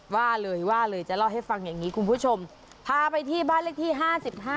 ว่าเลยว่าเลยจะเล่าให้ฟังอย่างนี้คุณผู้ชมพาไปที่บ้านเลขที่ห้าสิบห้า